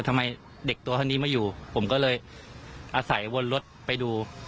ทำไมเด็กตัวเท่านี้ไม่อยู่ผมก็เลยอาศัยวนรถไปดู